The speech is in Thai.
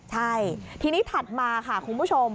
ใช่ทีนี้ถัดมาค่ะคุณผู้ชม